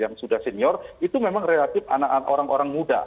yang sudah senior itu memang relatif anak anak orang orang muda